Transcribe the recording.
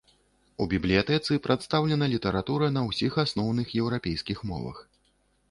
У бібліятэцы прадстаўлена літаратура на ўсіх асноўных еўрапейскіх мовах.